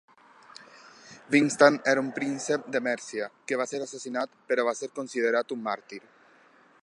Wigstan era un príncep de Mèrcia que va ser assassinat, però va ser considerat un màrtir.